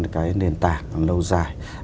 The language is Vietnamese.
đến cái nền tảng lâu dài